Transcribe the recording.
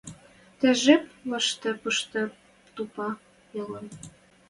Тӹ жеп лошты пуштыр тупа, ялын